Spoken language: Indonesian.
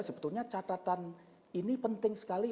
sebetulnya catatan ini penting sekali